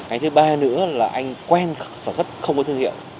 cái thứ ba nữa là anh quen sản xuất không có thương hiệu